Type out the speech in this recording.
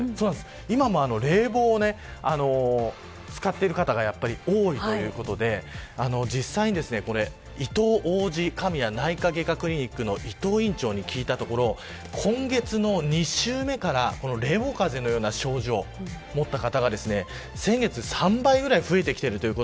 今も冷房を使っている方が多いということで実際にいとう王子神谷内科外科クリニックの伊藤院長に聞いたところ今月の２週目から冷房風邪のような症状を持った方が３倍ぐらい先月から増えてきています。